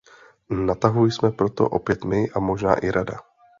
Na tahu jsme proto opět my a možná i Rada.